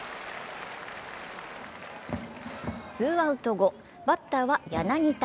ツーアウト後、バッターは柳田。